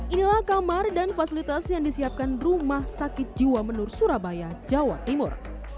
inilah kamar dan fasilitas yang disiapkan rumah sakit jiwa menur surabaya jawa timur